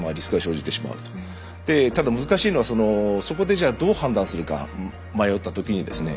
ただ難しいのはそこでじゃあどう判断するか迷った時にですね。